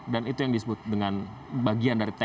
dan itu yang disebut dengan bagian dari